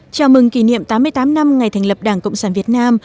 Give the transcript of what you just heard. chào mừng kỷ niệm tám mươi tám năm ngày thành lập đảng cộng sản việt nam